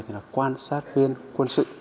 thì là quan sát viên quân sự